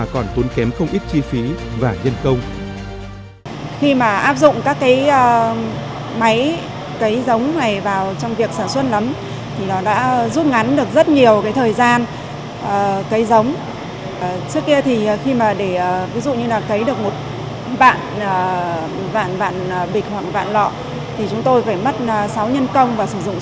còn tốn kém không ít chi phí và nhân công